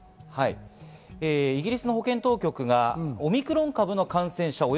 イギリスの保健当局がオミクロン株の感染者